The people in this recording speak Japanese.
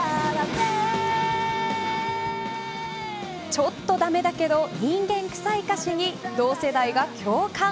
ちょっと駄目だけど人間臭い歌詞に同世代が共感。